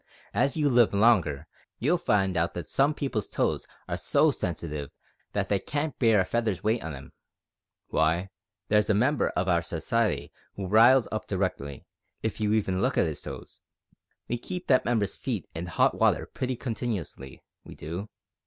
As you live longer you'll find out that some people's toes are so sensitive that they can't bear a feather's weight on 'em. W'y, there's a member of our Society who riles up directly if you even look at his toes. We keep that member's feet in hot water pretty continuously, we do.